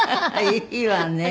いいわね。